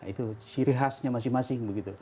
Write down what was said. itu ciri khasnya masing masing begitu